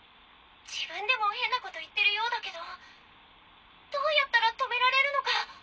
自分でも変なこと言ってるようだけどどうやったら止められるのか。